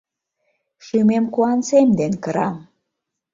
Шÿмем куан сем ден кыра.